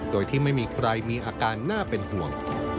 โดยที่ไม่มีใครมีอาการน่าเป็นห่วง